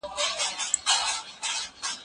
ما په انټرنیټ کي د شاکرو کسانو ژوند ولوستی.